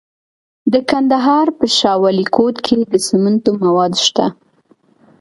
د کندهار په شاه ولیکوټ کې د سمنټو مواد شته.